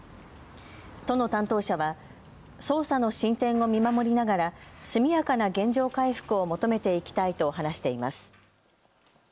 都の担当者は捜査の進展を見守りながら速やかな原状回復を求めていきたいと話しています。